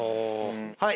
はい。